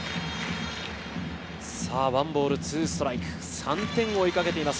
１ボール２ストライク、３点を追いかけています。